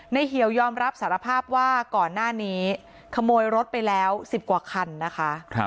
เหี่ยวยอมรับสารภาพว่าก่อนหน้านี้ขโมยรถไปแล้ว๑๐กว่าคันนะคะ